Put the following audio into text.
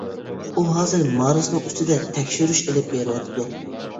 ئۇ ھازىر مارسنىڭ ئۈستىدە تەكشۈرۈش ئېلىپ بېرىۋاتىدۇ.